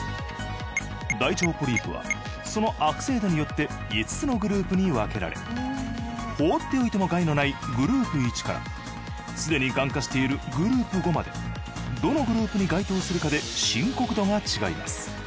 大腸ポリープはその悪性度によって５つのグループに分けられ放っておいても害のないグループ１からすでにがん化しているグループ５までどのグループに該当するかで深刻度が違います。